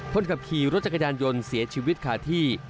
คนขับขี่รถจักรยานยนต์เสียชีวิตขาดที่